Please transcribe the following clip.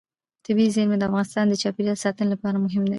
طبیعي زیرمې د افغانستان د چاپیریال ساتنې لپاره مهم دي.